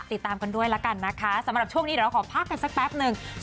ติดตามกันด้วยละกันนะคะสำหรับช่วงนี้เดี๋ยวเราขอพักกันสักแป๊บหนึ่ง